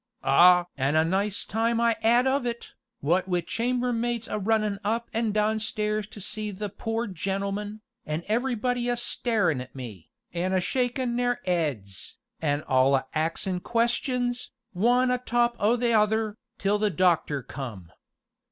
Ah! an' a nice time I 'ad of it, what wi' chamber maids a runnin' up an' down stairs to see the 'poor gentleman,' an' everybody a starin' at me, an' a shakin' their 'eads, an' all a axin' questions, one atop o' the other, till the doctor come.